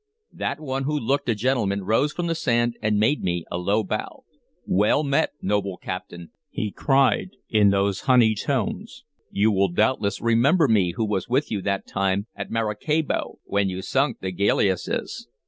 That one who looked a gentleman rose from the sand and made me a low bow. "Well met, noble captain," he cried in those his honey tones. "You will doubtless remember me who was with you that time at Maracaibo when you sunk the galleasses.